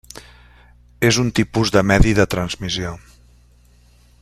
És un tipus de medi de transmissió.